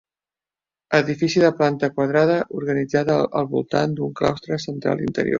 Edifici de planta quadrada, organitzada al voltant d'un claustre central interior.